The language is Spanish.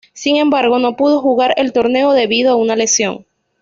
Sin embargo, no pudo jugar el torneo, debido a una lesión.